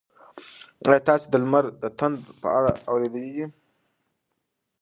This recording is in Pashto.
ایا تاسي د لمر د تندر په اړه اورېدلي دي؟